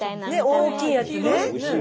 大きいやつね？